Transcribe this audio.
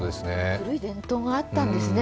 古い伝統があったんですね